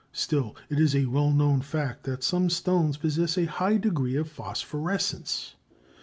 Still, it is a well known fact that some stones possess a high degree of phosphorescence.